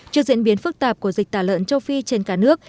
trước diễn biến phức tạp của dịch tả lợn châu phi trên cả nước